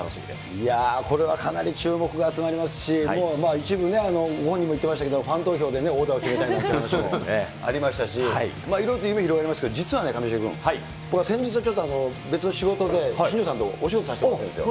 いやー、これはかなり注目が集まりますし、もう一部ね、ご本人も言ってましたけど、ファン投票でオーダーを決めたいなんていう話もありましたし、いろいろと夢ありますけど、実はね、上重君、僕は先日、ちょっと別の仕事で、新庄さんとお仕事させていただいたんですよ。